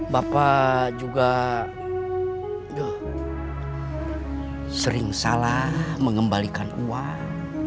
bapak juga sering salah mengembalikan uang